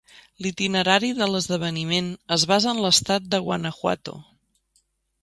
L'itinerari de l'esdeveniment es basa en l'estat de Guanajuato.